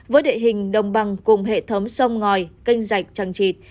với địa hình đồng bằng cùng hệ thống sông ngòi canh rạch trăng trịt